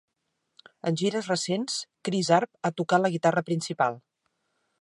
En gires recents, Chris Arp ha tocat la guitarra principal.